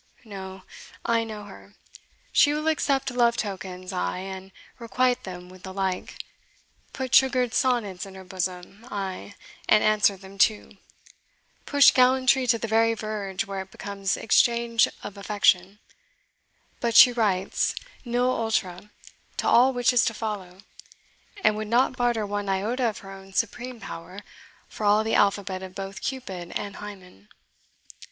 No, I know her. She will accept love tokens, ay, and requite them with the like put sugared sonnets in her bosom, ay, and answer them too push gallantry to the very verge where it becomes exchange of affection; but she writes NIL ULTRA to all which is to follow, and would not barter one iota of her own supreme power for all the alphabet of both Cupid and Hymen."